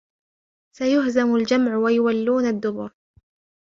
سيهزم الجمع ويولون الدبر